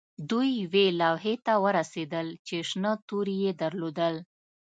دوی یوې لوحې ته ورسیدل چې شنه توري یې درلودل